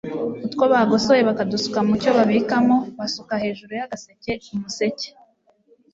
Utwo bagosoye bakadusuka mu cyo babikamo, basukira hejuru y’agaseke (umuseke)